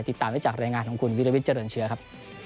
ติดตามได้จากรายงานของคุณวิลวิทยเจริญเชื้อครับ